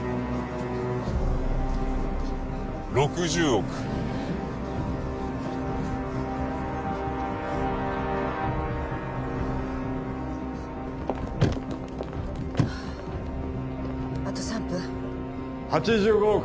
６０億あと３分８５億！